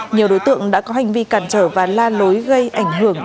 nhiều đối tượng đã có hành vi cản trở và la lối gây ảnh hưởng